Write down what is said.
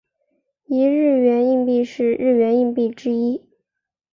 一日圆硬币是日圆硬币之一。